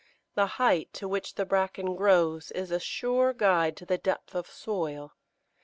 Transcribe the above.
The height to which the bracken grows is a sure guide to the depth of soil.